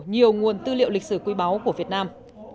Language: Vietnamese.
nhiều nguồn tư liệu lịch sử quý báu của việt nam